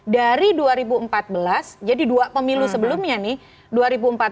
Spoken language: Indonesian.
dari dua ribu empat belas jadi dua pemilu sebelumnya nih